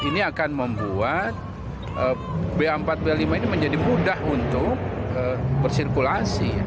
ini akan membuat ba empat b lima ini menjadi mudah untuk bersirkulasi